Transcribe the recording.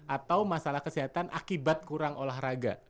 atau masalah kesehatan akibat kurang olahraga